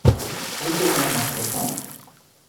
Rieche ich noch nach Knoblauch?